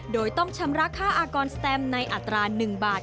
โดยต้องชำระค่าอากรสแตมในอัตรา๑บาท